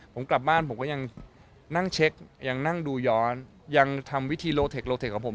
ผมกลับบ้านผมก็ยังนั่งเช็คยังนั่งดูย้อนยังทำวิธีโลเทคโลเทคของผม